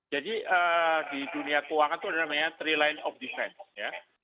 jadi di dunia keuangan itu ada namanya three line of defense ya